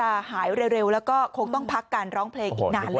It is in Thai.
หายเร็วแล้วก็คงต้องพักการร้องเพลงอีกนานแล้ว